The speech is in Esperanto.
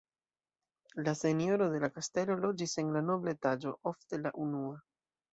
La senjoro de la kastelo loĝis en la nobla etaĝo, ofte la unua.